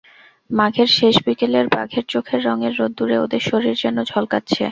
মাঘের শেষ বিকেলের বাঘের চোখের রঙের রোদ্দুরে ওদের শরীর যেন ঝলকাচ্ছে।